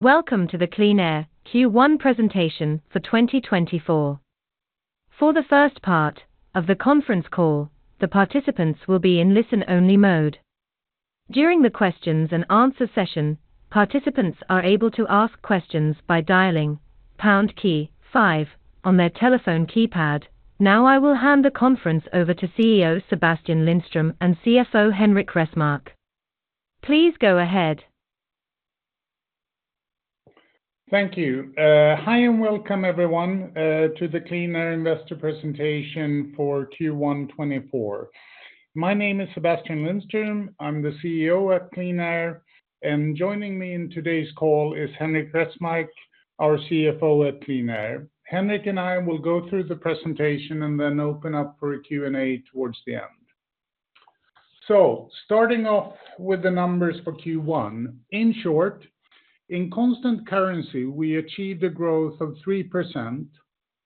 Welcome to the QleanAir Q1 presentation for 2024. For the first part of the conference call, the participants will be in listen-only mode. During the questions-and-answers session, participants are able to ask questions by dialing pound key five on their telephone keypad. Now I will hand the conference over to CEO Sebastian Lindström and CFO Henrik Resmark. Please go ahead. Thank you. Hi and welcome everyone to the QleanAir investor presentation for Q1 2024. My name is Sebastian Lindström, I'm the CEO at QleanAir, and joining me in today's call is Henrik Resmark, our CFO at QleanAir. Henrik and I will go through the presentation and then open up for a Q&A towards the end. Starting off with the numbers for Q1, in short, in constant currency we achieved a growth of 3%,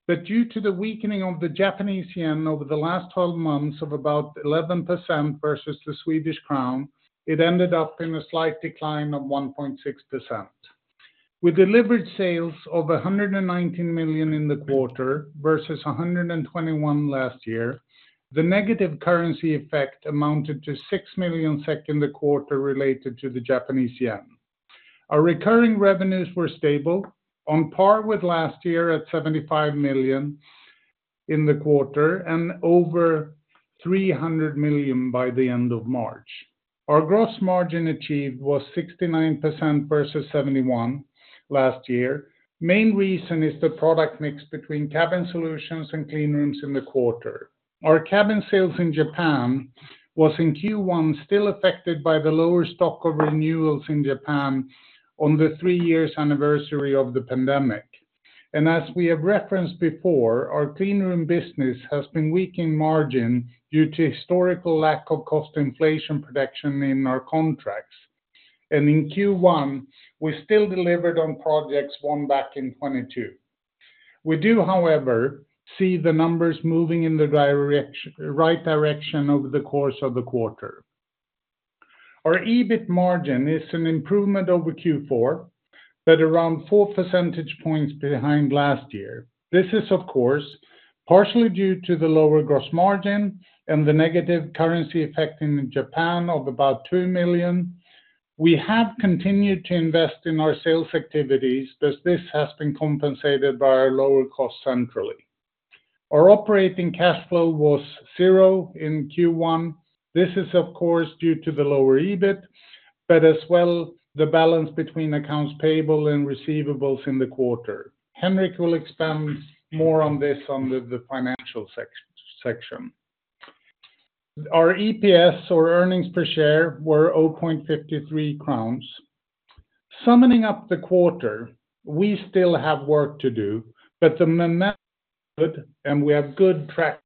but due to the weakening of the Japanese yen over the last 12 months of about 11% versus the Swedish crown, it ended up in a slight decline of 1.6%. With delivered sales of 119 million in the quarter versus 121 million last year, the negative currency effect amounted to 6 million SEK in the quarter related to the Japanese yen. Our recurring revenues were stable, on par with last year at 75 million in the quarter and over 300 million by the end of March. Our gross margin achieved was 69% versus 71% last year. Main reason is the product mix between cabin solutions and cleanrooms in the quarter. Our cabin sales in Japan was in Q1 still affected by the lower stock of renewals in Japan on the three-year anniversary of the pandemic. And as we have referenced before, our cleanroom business has been weak in margin due to historical lack of cost inflation protection in our contracts. And in Q1, we still delivered on projects won back in 2022. We do, however, see the numbers moving in the right direction over the course of the quarter. Our EBIT margin is an improvement over Q4, but around 4 percentage points behind last year. This is, of course, partially due to the lower gross margin and the negative currency effect in Japan of about 2 million. We have continued to invest in our sales activities because this has been compensated by our lower cost centrally. Our operating cash flow was zero in Q1. This is, of course, due to the lower EBIT, but as well the balance between accounts payable and receivables in the quarter. Henrik will expand more on this under the financial section. Our EPS, or earnings per share, were 0.53 crowns. Summing up the quarter, we still have work to do, but the momentum is good and we have good traction.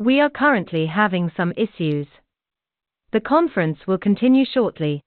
We are currently having some issues. The conference will continue shortly.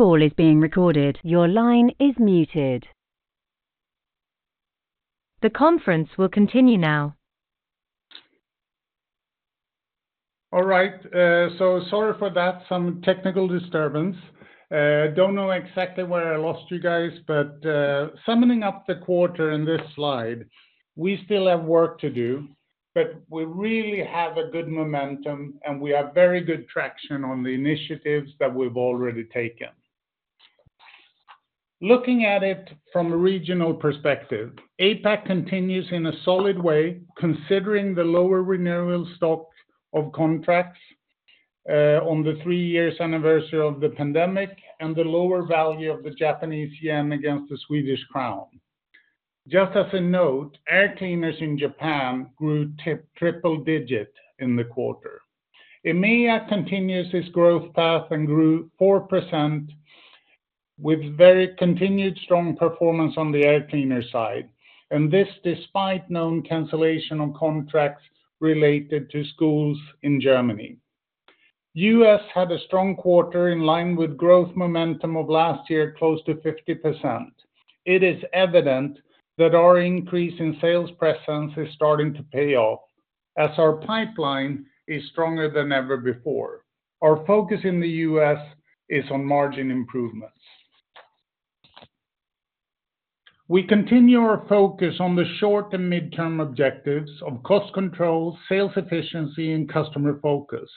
This call is being recorded. Your line is muted. The conference will continue now. All right, so sorry for that, some technical disturbance. I don't know exactly where I lost you guys, but summing up the quarter in this slide, we still have work to do, but we really have a good momentum and we have very good traction on the initiatives that we've already taken. Looking at it from a regional perspective, APAC continues in a solid way considering the lower renewal stock of contracts on the three-year anniversary of the pandemic and the lower value of the Japanese yen against the Swedish kronor. Just as a note, air cleaners in Japan grew triple digit in the quarter. EMEA continues its growth path and grew 4% with very continued strong performance on the air cleaner side, and this despite known cancellation of contracts related to schools in Germany. The U.S. had a strong quarter in line with growth momentum of last year close to 50%. It is evident that our increase in sales presence is starting to pay off as our pipeline is stronger than ever before. Our focus in the U.S. is on margin improvements. We continue our focus on the short and mid-term objectives of cost control, sales efficiency, and customer focus.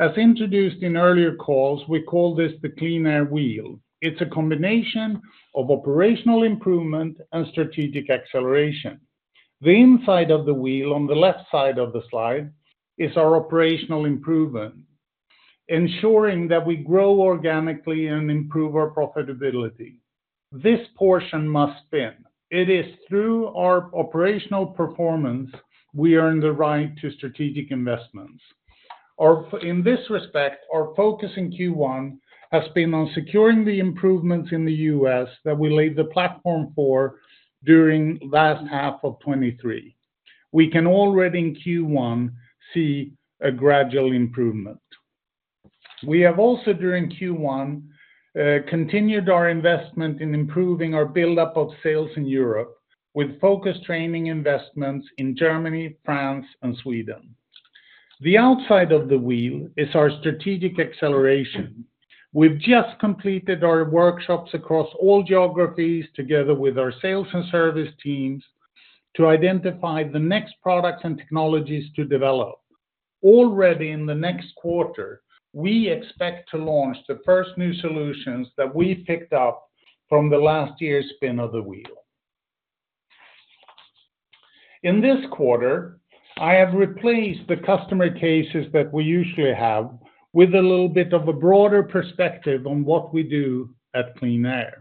As introduced in earlier calls, we call this the QleanAir Wheel. It's a combination of operational improvement and strategic acceleration. The inside of the wheel on the left side of the slide is our operational improvement, ensuring that we grow organically and improve our profitability. This portion must spin. It is through our operational performance we earn the right to strategic investments. In this respect, our focus in Q1 has been on securing the improvements in the U.S. that we laid the platform for during the last half of 2023. We can already in Q1 see a gradual improvement. We have also during Q1 continued our investment in improving our buildup of sales in Europe with focused training investments in Germany, France, and Sweden. The outside of the wheel is our strategic acceleration. We've just completed our workshops across all geographies together with our sales and service teams to identify the next products and technologies to develop. Already in the next quarter, we expect to launch the first new solutions that we picked up from the last year's spin of the wheel. In this quarter, I have replaced the customer cases that we usually have with a little bit of a broader perspective on what we do at QleanAir.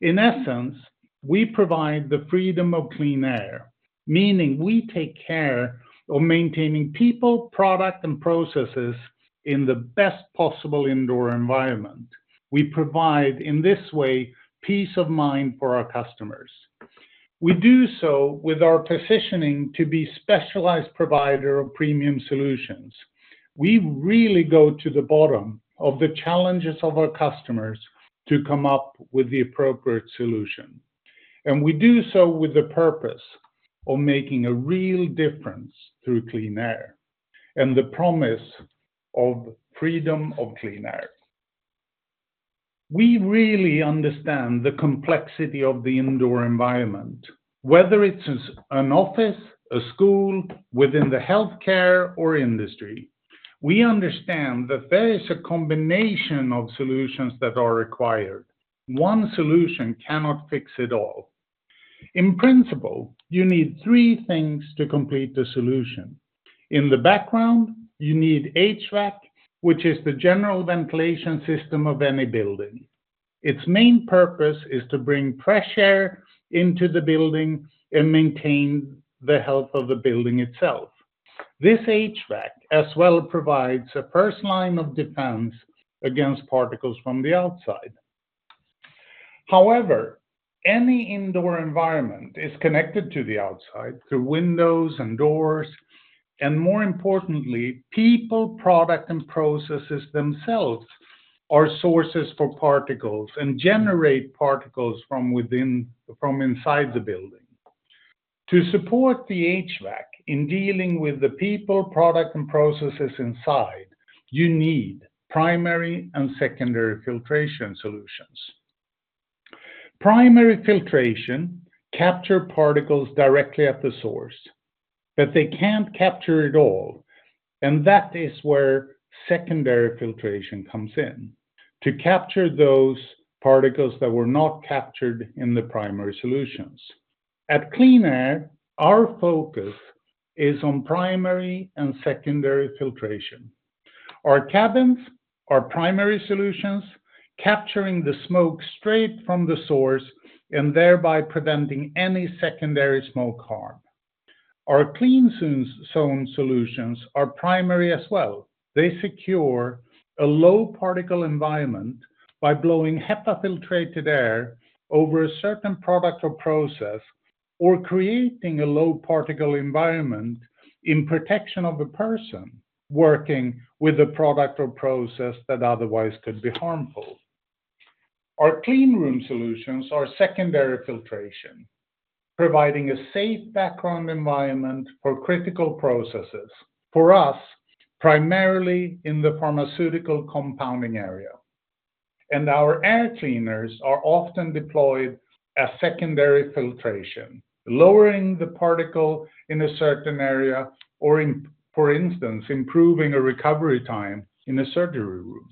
In essence, we provide the freedom of QleanAir, meaning we take care of maintaining people, product, and processes in the best possible indoor environment. We provide in this way peace of mind for our customers. We do so with our positioning to be a specialized provider of premium solutions. We really go to the bottom of the challenges of our customers to come up with the appropriate solution. And we do so with the purpose of making a real difference through QleanAir and the promise of freedom of QleanAir. We really understand the complexity of the indoor environment, whether it's an office, a school, within the healthcare, or industry. We understand that there is a combination of solutions that are required. One solution cannot fix it all. In principle, you need three things to complete the solution. In the background, you need HVAC, which is the general ventilation system of any building. Its main purpose is to bring fresh air into the building and maintain the health of the building itself. This HVAC as well provides a first line of defense against particles from the outside. However, any indoor environment is connected to the outside through windows and doors, and more importantly, people, product, and processes themselves are sources for particles and generate particles from inside the building. To support the HVAC in dealing with the people, product, and processes inside, you need primary and secondary filtration solutions. Primary filtration captures particles directly at the source, but they can't capture it all, and that is where secondary filtration comes in to capture those particles that were not captured in the primary solutions. At QleanAir, our focus is on primary and secondary filtration. Our cabins are primary solutions capturing the smoke straight from the source and thereby preventing any secondary smoke harm. Our CleanZone solutions are primary as well. They secure a low-particle environment by blowing HEPA-filtered air over a certain product or process or creating a low-particle environment in protection of a person working with a product or process that otherwise could be harmful. Our cleanroom solutions are secondary filtration, providing a safe background environment for critical processes for us, primarily in the pharmaceutical compounding area. Our air cleaners are often deployed as secondary filtration, lowering the particle in a certain area or, for instance, improving a recovery time in a surgery room.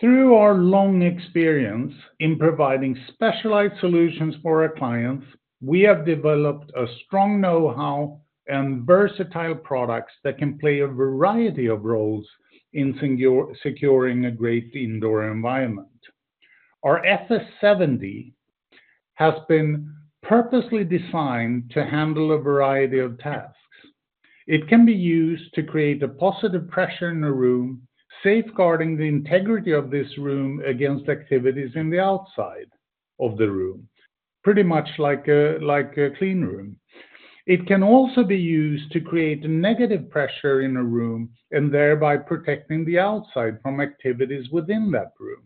Through our long experience in providing specialized solutions for our clients, we have developed a strong know-how and versatile products that can play a variety of roles in securing a great indoor environment. Our FS 70 has been purposely designed to handle a variety of tasks. It can be used to create a positive pressure in a room, safeguarding the integrity of this room against activities in the outside of the room, pretty much like a cleanroom. It can also be used to create negative pressure in a room and thereby protecting the outside from activities within that room.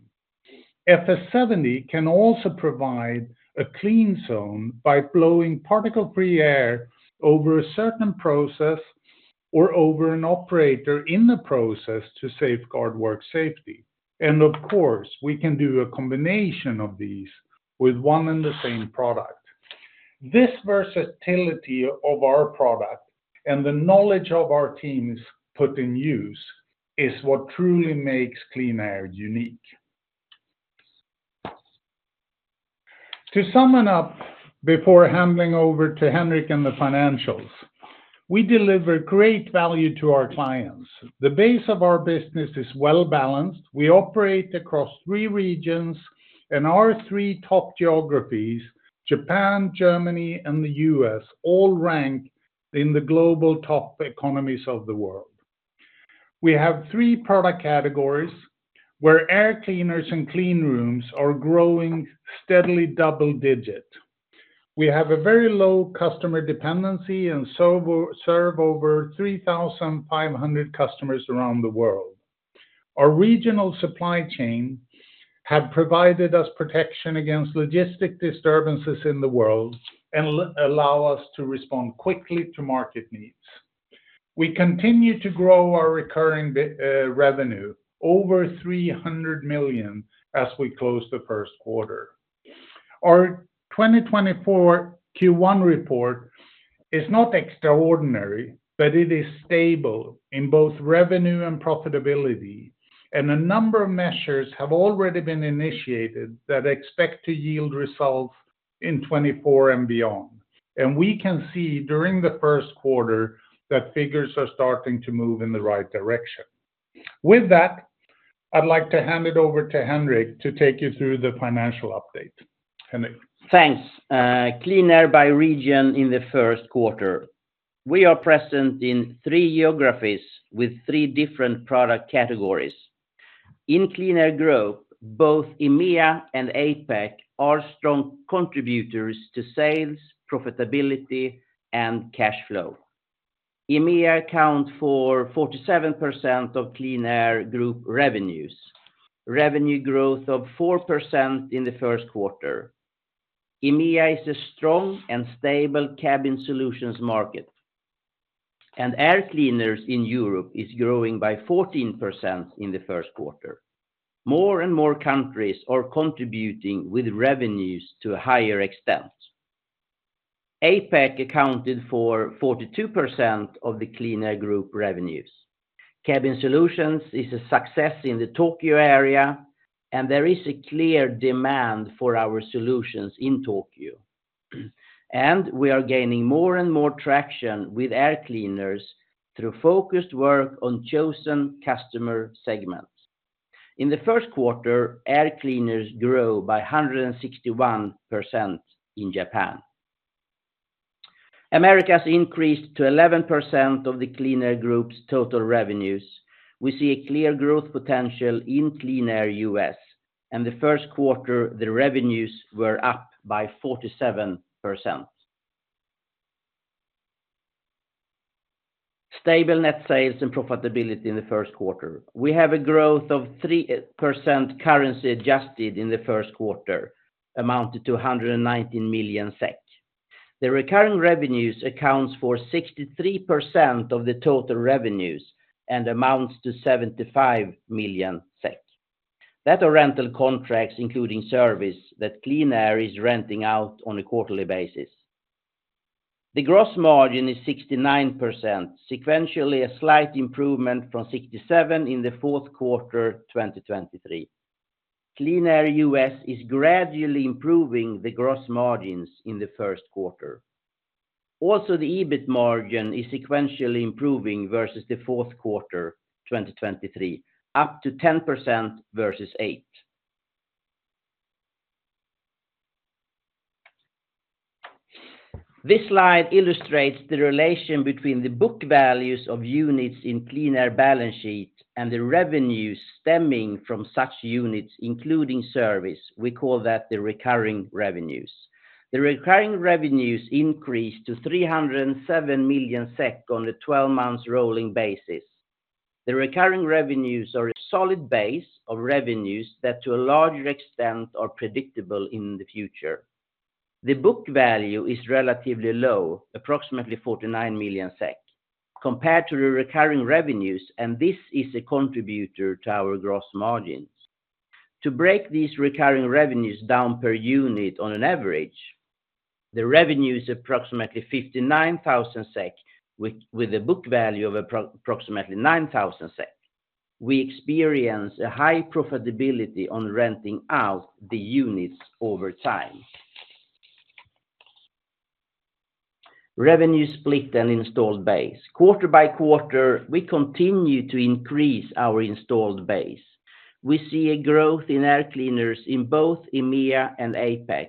FS 70 can also provide a CleanZone by blowing particle-free air over a certain process or over an operator in the process to safeguard work safety. And of course, we can do a combination of these with one and the same product. This versatility of our product and the knowledge of our team put in use is what truly makes QleanAir unique. To sum up before handing over to Henrik and the financials, we deliver great value to our clients. The base of our business is well-balanced. We operate across three regions, and our three top geographies, Japan, Germany, and the U.S., all rank in the global top economies of the world. We have three product categories where air cleaners and cleanrooms are growing steadily double-digit. We have a very low customer dependency and serve over 3,500 customers around the world. Our regional supply chain has provided us protection against logistic disturbances in the world and allows us to respond quickly to market needs. We continue to grow our recurring revenue over 300 million as we close the first quarter. Our 2024 Q1 report is not extraordinary, but it is stable in both revenue and profitability, and a number of measures have already been initiated that expect to yield results in 2024 and beyond. We can see during the first quarter that figures are starting to move in the right direction. With that, I'd like to hand it over to Henrik to take you through the financial update. Henrik. Thanks. QleanAir by region in the first quarter. We are present in three geographies with three different product categories. In QleanAir Group, both EMEA and APAC are strong contributors to sales, profitability, and cash flow. EMEA accounts for 47% of QleanAir Group revenues, revenue growth of 4% in the first quarter. EMEA is a strong and stable cabin solutions market, and air cleaners in Europe are growing by 14% in the first quarter. More and more countries are contributing with revenues to a higher extent. APAC accounted for 42% of the QleanAir Group revenues. Cabin solutions are a success in the Tokyo area, and there is a clear demand for our solutions in Tokyo. We are gaining more and more traction with air cleaners through focused work on chosen customer segments. In the first quarter, air cleaners grew by 161% in Japan. America has increased to 11% of the QleanAir Group's total revenues. We see a clear growth potential in QleanAir U.S.. In the first quarter, the revenues were up by 47%. Stable net sales and profitability in the first quarter. We have a growth of 3% currency adjusted in the first quarter, amounting to 119 million SEK. The recurring revenues account for 63% of the total revenues and amount to 75 million SEK. That are rental contracts including service that QleanAir is renting out on a quarterly basis. The gross margin is 69%, sequentially a slight improvement from 67% in the fourth quarter 2023. QleanAir U.S. is gradually improving the gross margins in the first quarter. Also, the EBIT margin is sequentially improving versus the fourth quarter 2023, up to 10% versus 8%. This slide illustrates the relation between the book values of units in QleanAir balance sheet and the revenues stemming from such units, including service. We call that the recurring revenues. The recurring revenues increased to 307 million SEK on a 12-month rolling basis. The recurring revenues are a solid base of revenues that, to a larger extent, are predictable in the future. The book value is relatively low, approximately 49 million SEK, compared to the recurring revenues, and this is a contributor to our gross margins. To break these recurring revenues down per unit on an average, the revenue is approximately 59,000 SEK with a book value of approximately 9,000 SEK. We experience a high profitability on renting out the units over time. Revenue split and installed base. Quarter by quarter, we continue to increase our installed base. We see a growth in air cleaners in both EMEA and APAC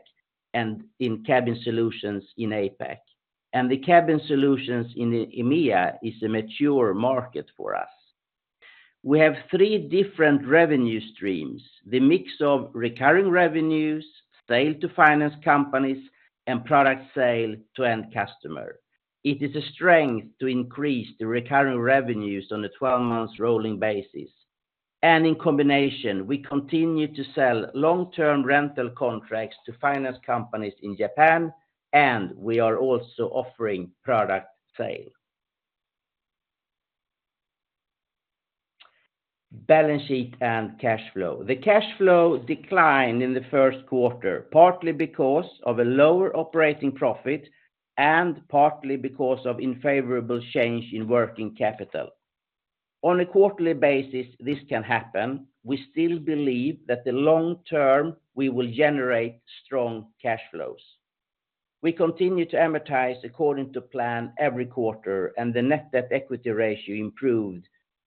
and in cabin solutions in APAC. The cabin solutions in EMEA are a mature market for us. We have three different revenue streams: the mix of recurring revenues, sale to finance companies, and product sale to end customer. It is a strength to increase the recurring revenues on a 12-month rolling basis. In combination, we continue to sell long-term rental contracts to finance companies in Japan, and we are also offering product sale. Balance sheet and cash flow. The cash flow declined in the first quarter, partly because of a lower operating profit and partly because of unfavorable change in working capital. On a quarterly basis, this can happen. We still believe that, long term, we will generate strong cash flows. We continue to amortize according to plan every quarter, and the net debt equity ratio improved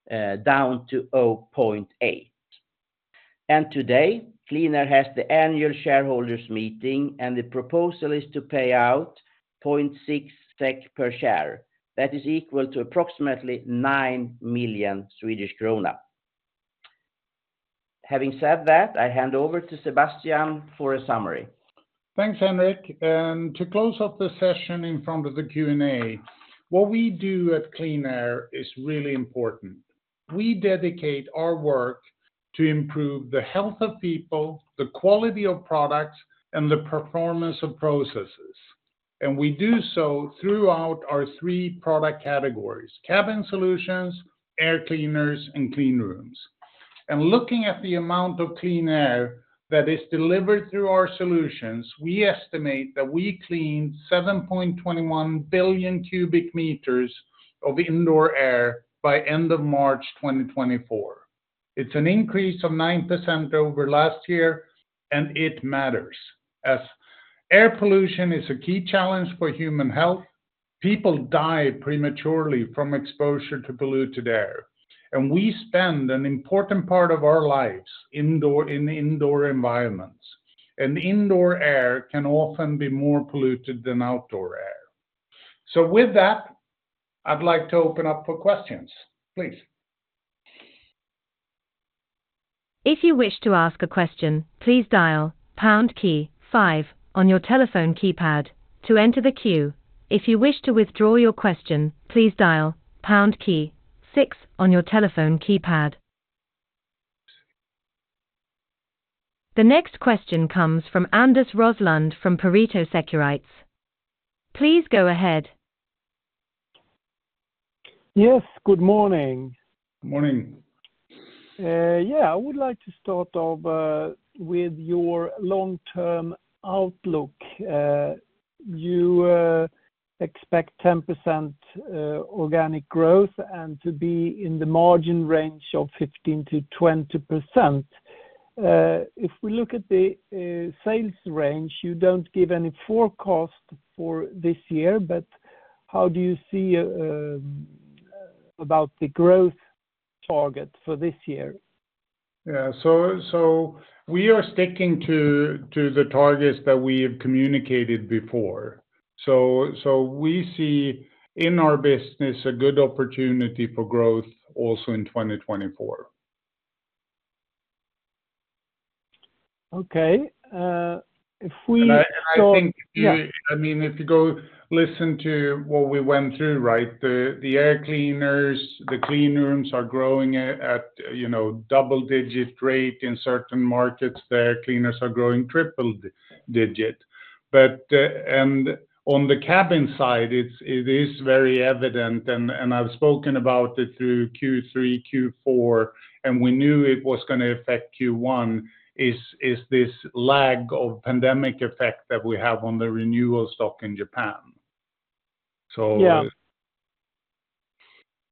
down to 0.8. Today, QleanAir has the annual shareholders' meeting, and the proposal is to pay out 0.6 SEK per share. That is equal to approximately 9 million Swedish krona. Having said that, I hand over to Sebastian for a summary. Thanks, Henrik. To close off the session in front of the Q&A, what we do at QleanAir is really important. We dedicate our work to improve the health of people, the quality of products, and the performance of processes. We do so throughout our three product categories: cabin solutions, air cleaners, and cleanrooms. Looking at the amount of clean air that is delivered through our solutions, we estimate that we cleaned 7.21 billion m³ of indoor air by the end of March 2024. It's an increase of 9% over last year, and it matters. Air pollution is a key challenge for human health. People die prematurely from exposure to polluted air. We spend an important part of our lives in indoor environments, and indoor air can often be more polluted than outdoor air. With that, I'd like to open up for questions. Please. If you wish to ask a question, please dial pound key five on your telephone keypad to enter the queue. If you wish to withdraw your question, please dial pound key six on your telephone keypad. The next question comes from Anders Roslund from Pareto Securities. Please go ahead. Yes, good morning. Morning. Yeah, I would like to start off with your long-term outlook. You expect 10% organic growth and to be in the margin range of 15%-20%. If we look at the sales range, you don't give any forecast for this year, but how do you see about the growth target for this year? Yeah, so we are sticking to the targets that we have communicated before. We see in our business a good opportunity for growth also in 2024. Okay. If we. And I think, I mean, if you go listen to what we went through, right, the air cleaners, the cleanrooms are growing at double-digit rate in certain markets. The air cleaners are growing triple-digit. And on the cabin side, it is very evident, and I've spoken about it through Q3, Q4, and we knew it was going to affect Q1, is this lag of pandemic effect that we have on the renewal stock in Japan. So. Yeah.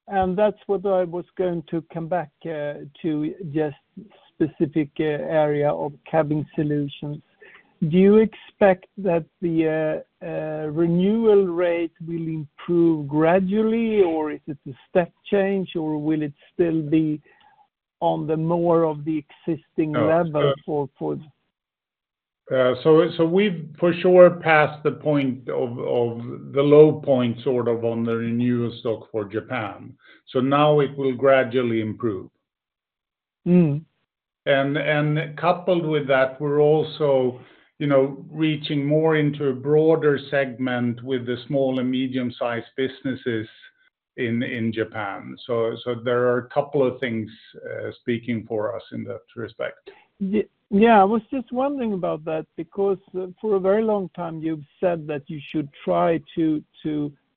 And that's what I was going to come back to, just specific area of cabin solutions. Do you expect that the renewal rate will improve gradually, or is it a step change, or will it still be on more of the existing level for? So we've for sure passed the point of the low point sort of on the renewal stock for Japan. So now it will gradually improve. And coupled with that, we're also reaching more into a broader segment with the small and medium-sized businesses in Japan. So there are a couple of things speaking for us in that respect. Yeah, I was just wondering about that because for a very long time, you've said that you should try to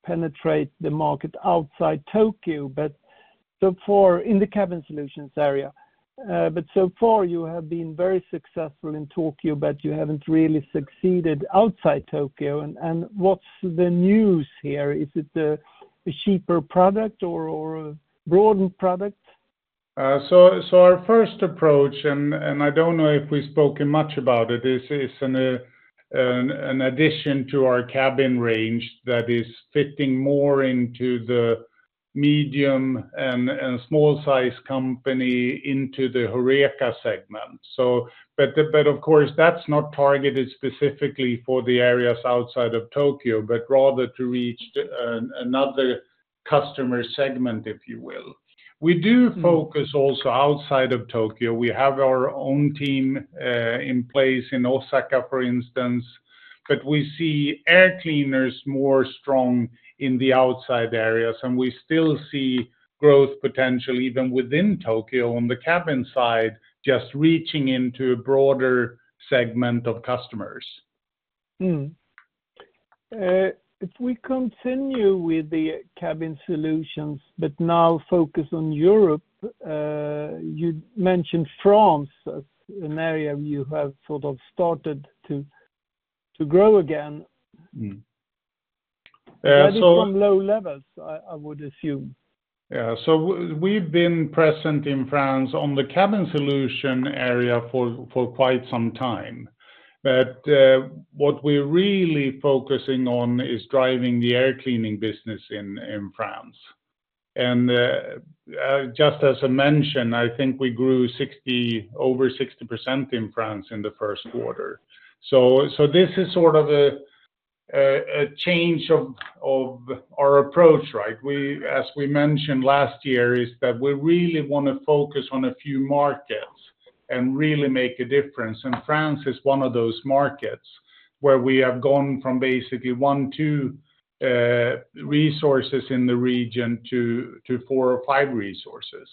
penetrate the market outside Tokyo. But in the cabin solutions area, but so far, you have been very successful in Tokyo, but you haven't really succeeded outside Tokyo. And what's the news here? Is it a cheaper product or a broadened product? So our first approach, and I don't know if we've spoken much about it, is an addition to our cabin range that is fitting more into the medium- and small-sized companies in the Horeca segment. But of course, that's not targeted specifically for the areas outside of Tokyo, but rather to reach another customer segment, if you will. We do focus also outside of Tokyo. We have our own team in place in Osaka, for instance, but we see air cleaners stronger in the outside areas, and we still see growth potential even within Tokyo on the cabin side, just reaching into a broader segment of customers. If we continue with the cabin solutions, but now focus on Europe, you mentioned France as an area you have sort of started to grow again? So. At least from low levels, I would assume. Yeah, so we've been present in France on the cabin solution area for quite some time. But what we're really focusing on is driving the air cleaning business in France. Just as a mention, I think we grew over 60% in France in the first quarter. So this is sort of a change of our approach, right? As we mentioned last year, we really want to focus on a few markets and really make a difference. France is one of those markets where we have gone from basically one, two resources in the region to four or five resources.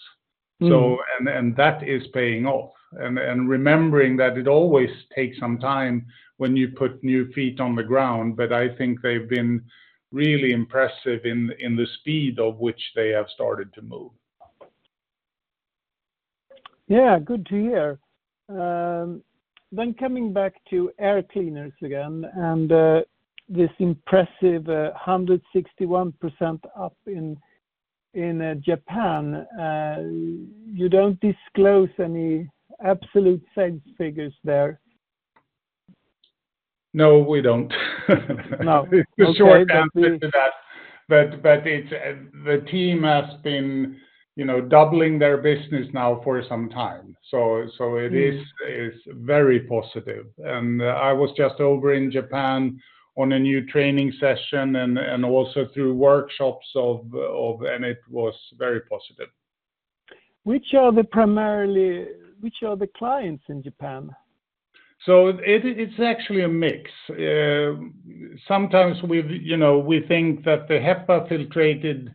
That is paying off. Remembering that it always takes some time when you put new feet on the ground, but I think they've been really impressive in the speed of which they have started to move. Yeah, good to hear. Then coming back to air cleaners again and this impressive 161% up in Japan, you don't disclose any absolute sales figures there? No, we don't. No. It's a short answer to that. But the team has been doubling their business now for some time. So it is very positive. I was just over in Japan on a new training session and also through workshops, and it was very positive. Which are the primary clients in Japan? It's actually a mix. Sometimes we think that the HEPA-filtrated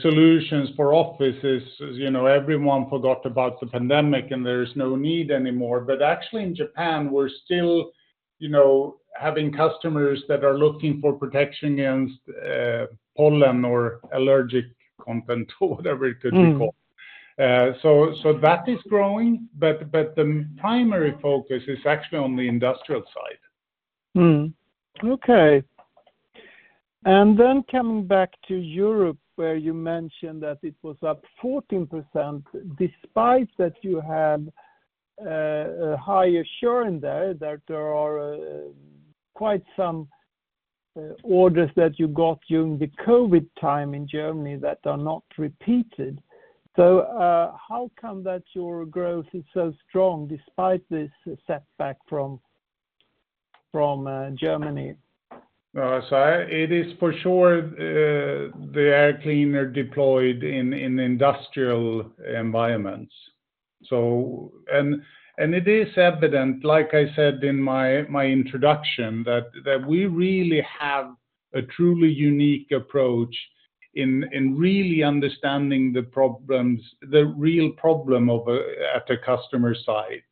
solutions for offices, everyone forgot about the pandemic, and there is no need anymore. But actually, in Japan, we're still having customers that are looking for protection against pollen or allergic content or whatever it could be called. That is growing, but the primary focus is actually on the industrial side. Okay. And then coming back to Europe, where you mentioned that it was up 14% despite that you had high assurance there that there are quite some orders that you got during the COVID time in Germany that are not repeated. So how come that your growth is so strong despite this setback from Germany? No, it is for sure the air cleaner deployed in industrial environments. And it is evident, like I said in my introduction, that we really have a truly unique approach in really understanding the real problem at the customer side.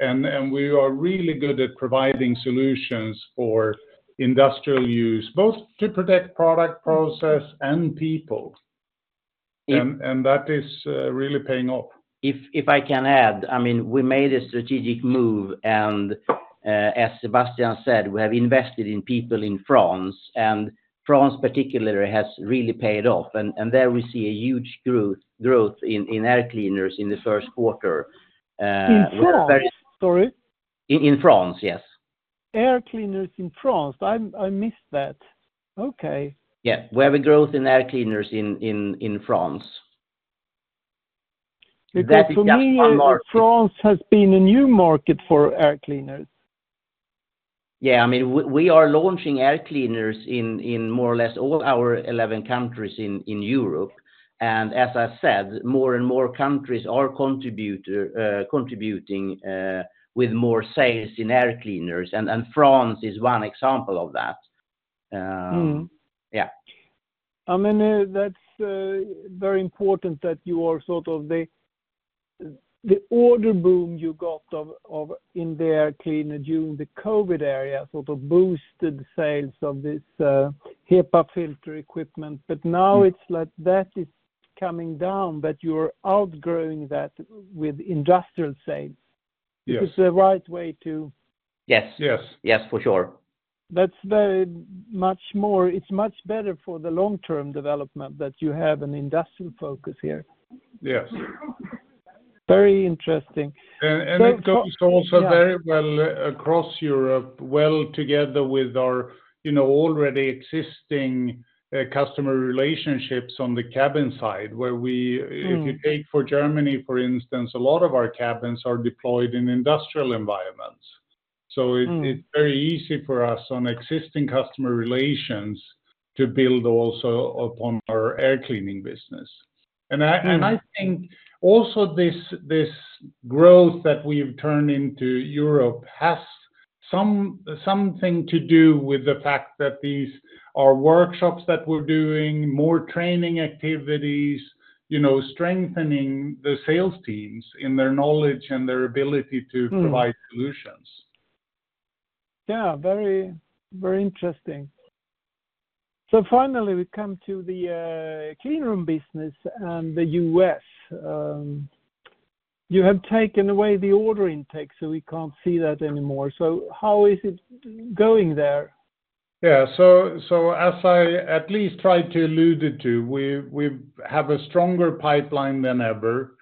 And we are really good at providing solutions for industrial use, both to protect product process and people. And that is really paying off. If I can add, I mean, we made a strategic move, and as Sebastian said, we have invested in people in France, and France particularly has really paid off. And there we see a huge growth in air cleaners in the first quarter. In France? Sorry? In France, yes. air cleaners in France. I missed that. Okay. Yeah, we have a growth in air cleaners in France. Because for me, France has been a new market for air cleaners. Yeah, I mean, we are launching air cleaners in more or less all our 11 countries in Europe. As I said, more and more countries are contributing with more sales in air cleaners, and France is one example of that. Yeah. I mean, that's very important that you are sort of the order boom you got in the air cleaner during the COVID era sort of boosted sales of this HEPA filter equipment. But now it's like that is coming down, but you are outgrowing that with industrial sales. Is this the right way to? Yes. Yes, for sure. That's very much more. It's much better for the long-term development that you have an industrial focus here. Yes. Very interesting. And it goes also very well across Europe, well together with our already existing customer relationships on the cabin side, where if you take for Germany, for instance, a lot of our cabins are deployed in industrial environments. So it's very easy for us on existing customer relations to build also upon our air cleaning business. And I think also this growth that we've turned into Europe has something to do with the fact that these are workshops that we're doing, more training activities, strengthening the sales teams in their knowledge and their ability to provide solutions. Yeah, very interesting. So finally, we come to the cleanroom business and the U.S.. You have taken away the order intake, so we can't see that anymore. So how is it going there? Yeah, so as I at least tried to allude it to, we have a stronger pipeline than ever.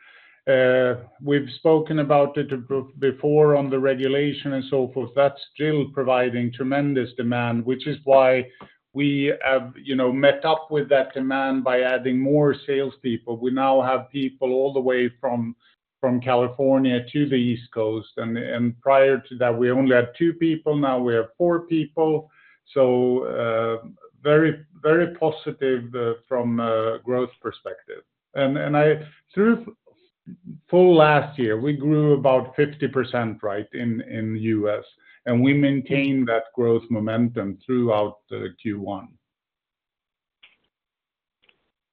We've spoken about it before on the regulation and so forth. That's still providing tremendous demand, which is why we have met up with that demand by adding more salespeople. We now have people all the way from California to the East Coast. And prior to that, we only had two people. Now we have four people. So very positive from a growth perspective. And through full last year, we grew about 50%, right, in the U.S.. And we maintained that growth momentum throughout Q1.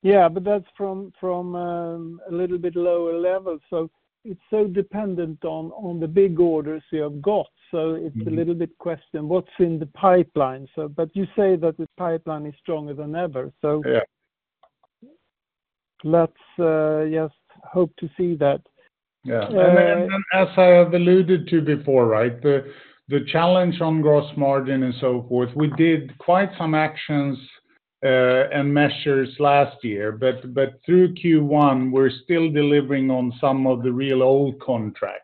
Yeah, but that's from a little bit lower level. So it's so dependent on the big orders you have got. So it's a little bit question what's in the pipeline. But you say that the pipeline is stronger than ever. So let's just hope to see that. Yeah. And as I have alluded to before, right, the challenge on gross margin and so forth, we did quite some actions and measures last year. But through Q1, we're still delivering on some of the real old contracts.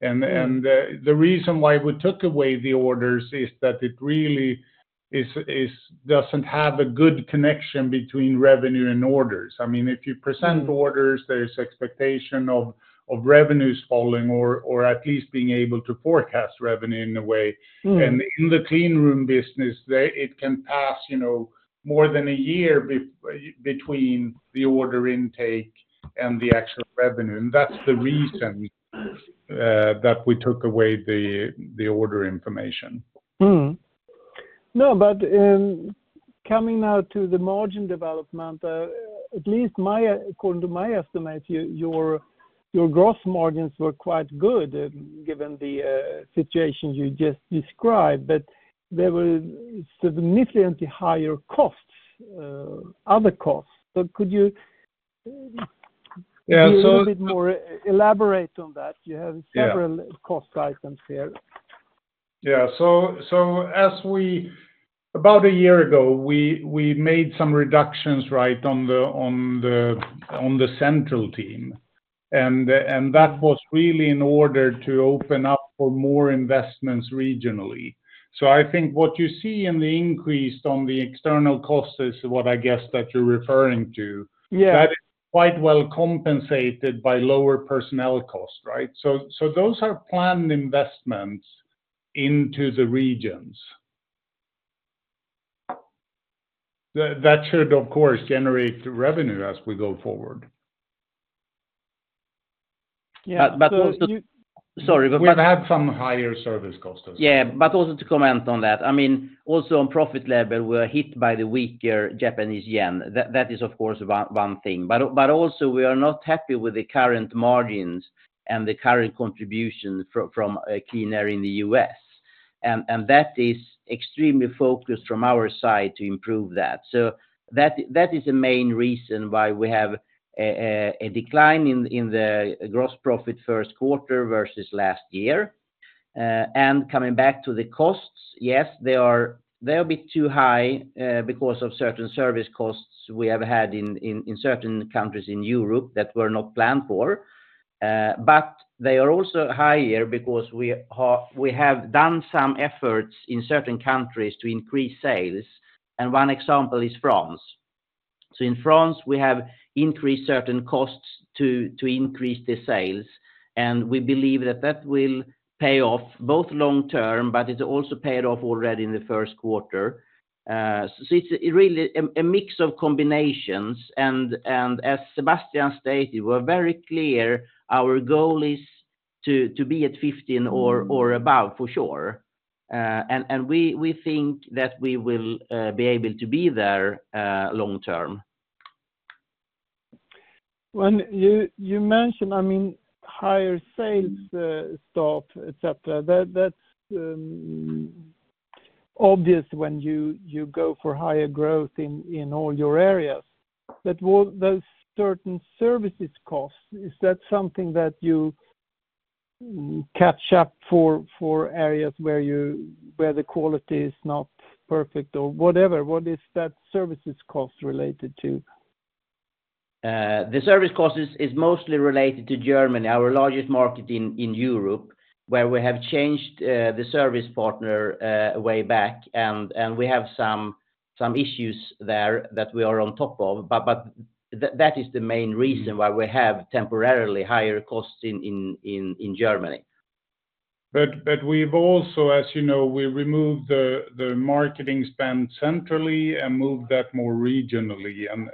And the reason why we took away the orders is that it really doesn't have a good connection between revenue and orders. I mean, if you present orders, there's expectation of revenues falling or at least being able to forecast revenue in a way. And in the cleanroom business, it can pass more than a year between the order intake and the actual revenue. And that's the reason that we took away the order information. No, but coming now to the margin development, at least according to my estimates, your gross margins were quite good given the situation you just described. But there were significantly higher other costs. So could you be a little bit more elaborate on that? You have several cost items here. Yeah. So about a year ago, we made some reductions, right, on the central team. And that was really in order to open up for more investments regionally. So I think what you see in the increase on the external costs is what I guess that you're referring to. That is quite well compensated by lower personnel costs, right? So those are planned investments into the regions. That should, of course, generate revenue as we go forward. Yeah. Sorry, but. We've had some higher service costs as well. Yeah, but also to comment on that. I mean, also on profit level, we are hit by the weaker Japanese yen. That is, of course, one thing. But also, we are not happy with the current margins and the current contribution from QleanAir in the U.S.. And that is extremely focused from our side to improve that. So that is a main reason why we have a decline in the gross profit first quarter versus last year. And coming back to the costs, yes, they are a bit too high because of certain service costs we have had in certain countries in Europe that were not planned for. But they are also higher because we have done some efforts in certain countries to increase sales. And one example is France. So in France, we have increased certain costs to increase the sales. We believe that that will pay off both long term, but it also paid off already in the first quarter. It's really a mix of combinations. As Sebastian stated, we're very clear our goal is to be at 15 or above for sure. We think that we will be able to be there long term. When you mention, I mean, higher sales stuff, etc., that's obvious when you go for higher growth in all your areas. But those certain services costs, is that something that you catch up for areas where the quality is not perfect or whatever? What is that services cost related to? The service cost is mostly related to Germany, our largest market in Europe, where we have changed the service partner way back. We have some issues there that we are on top of. That is the main reason why we have temporarily higher costs in Germany. But we've also, as you know, we removed the marketing spend centrally and moved that more regionally. And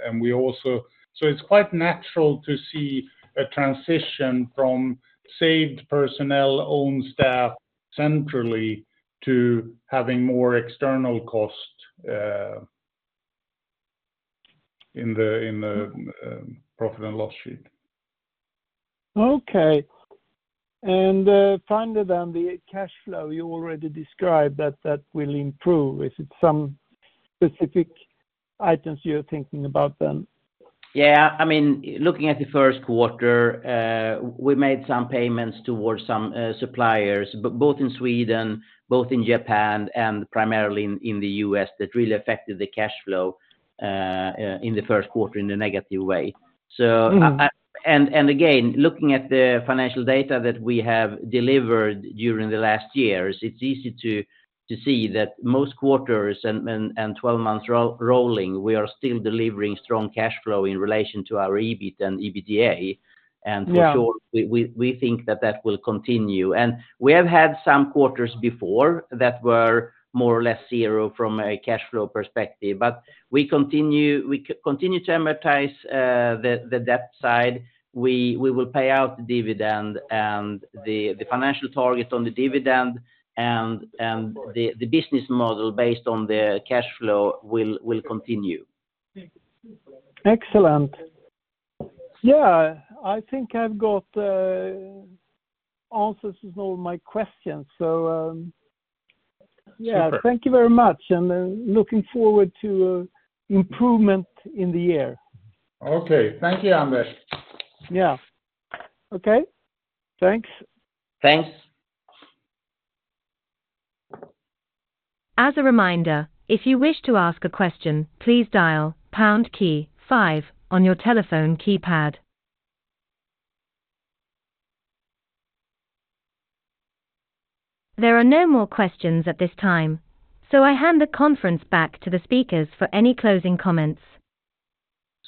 so it's quite natural to see a transition from saved personnel, own staff centrally to having more external cost in the profit and loss sheet. Okay. Finally then, the cash flow you already described, that will improve. Is it some specific items you're thinking about then? Yeah. I mean, looking at the first quarter, we made some payments towards some suppliers, both in Sweden, both in Japan, and primarily in the U.S. that really affected the cash flow in the first quarter in a negative way. And again, looking at the financial data that we have delivered during the last years, it's easy to see that most quarters and 12 months rolling, we are still delivering strong cash flow in relation to our EBIT and EBITDA. And for sure, we think that that will continue. And we have had some quarters before that were more or less zero from a cash flow perspective. But we continue to amortize the debt side. We will pay out the dividend. And the financial target on the dividend and the business model based on the cash flow will continue. Excellent. Yeah, I think I've got answers to all my questions. So yeah, thank you very much. Looking forward to improvement in the year. Okay. Thank you, Anders. Yeah. Okay. Thanks. Thanks. As a reminder, if you wish to ask a question, please dial pound key five on your telephone keypad. There are no more questions at this time, so I hand the conference back to the speakers for any closing comments.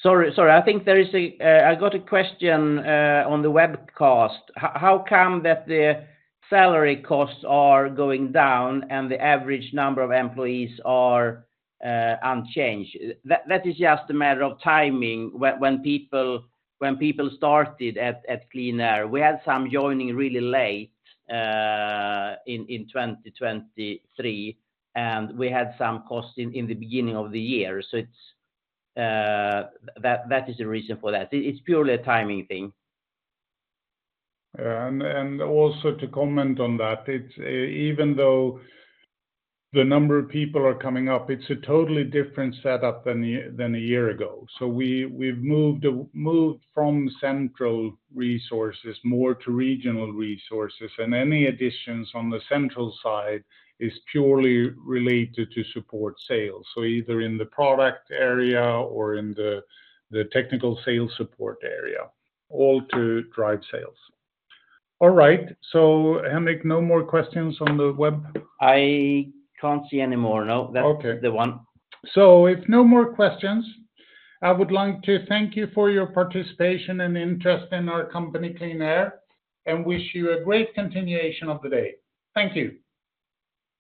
Sorry, sorry. I think there is. I got a question on the webcast. How come that the salary costs are going down and the average number of employees are unchanged? That is just a matter of timing when people started at QleanAir. We had some joining really late in 2023, and we had some costs in the beginning of the year. So that is the reason for that. It's purely a timing thing. Yeah. And also to comment on that, even though the number of people are coming up, it's a totally different setup than a year ago. So we've moved from central resources more to regional resources. And any additions on the central side is purely related to support sales, so either in the product area or in the technical sales support area, all to drive sales. All right. So, Henrik, no more questions on the web? I can't see anymore. No, that's the one. If no more questions, I would like to thank you for your participation and interest in our company, QleanAir, and wish you a great continuation of the day. Thank you.